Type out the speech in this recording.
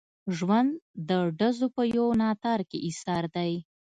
ژوند د ډزو په یو ناتار کې ایسار دی.